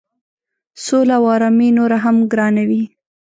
سوله او آرامي نوره هم ګرانوي.